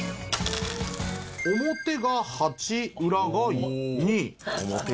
表が８裏が２。